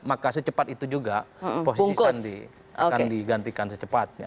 maka secepat itu juga posisi sandi akan digantikan secepatnya